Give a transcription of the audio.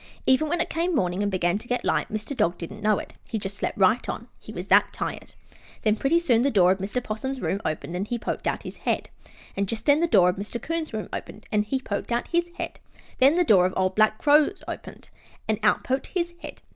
Even when it came morning and began to get light Mr. Dog didn't know it; he just slept right on, he was that tired. Then pretty soon the door of Mr. 'Possum's room opened and he poked out his head. And just then the door of Mr. 'Coon's room opened and he poked out his head. Then the door of the old black Crow opened and out poked his head.